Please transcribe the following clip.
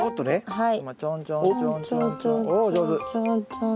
はい。